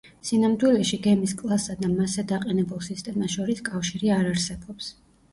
სინამდვილეში, გემის კლასსა და მასზე დაყენებულ სისტემას შორის კავშირი არ არსებობს.